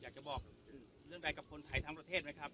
อยากจะบอกเรื่องใดกับคนไทยทั้งประเทศไหมครับ